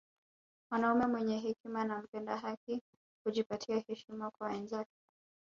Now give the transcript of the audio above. Mwanaume mwenye hekima na mpenda haki hujipatia heshima kwa wenzake